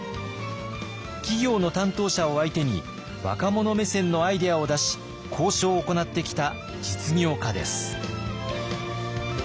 企業の担当者を相手に若者目線のアイデアを出し交渉を行ってきた実業家です。